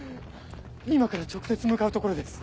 今から直接向かうところです。